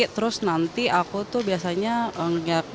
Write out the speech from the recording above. terus nanti aku tuh biasanya nggak ngerjain